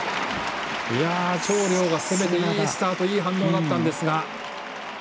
張亮が攻めて、いいスタートいい反応だったんですが。